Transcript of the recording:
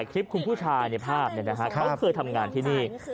คลิปคุณผู้ชายในภาพเขาเคยทำงานที่นี่